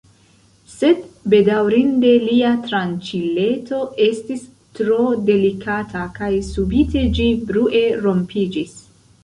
Sed bedaŭrinde lia tranĉileto estis tro delikata kaj subite ĝi brue rompiĝis.